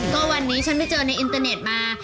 ก็วันนี้ฉันไปเจอในอินเตอร์เน็ตมา